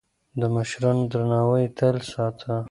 د مشرانو درناوی يې تل ساته.